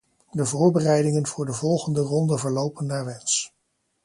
De voorbereidingen voor de volgende ronde verlopen naar wens.